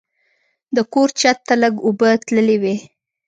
د کور چت ته لږ اوبه تللې وې.